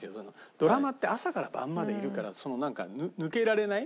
ドラマって朝から晩までいるから抜けられない。